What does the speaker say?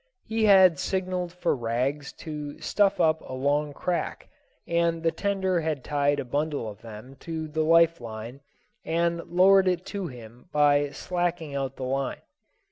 He had signaled for rags to stuff up a long crack, and the tender had tied a bundle of them to the life line, and lowered it to him by slacking out the line.